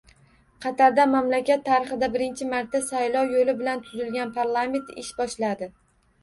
Qatarda mamlakat tarixida birinchi marta saylov yo‘li bilan tuzilgan parlament ish boshladi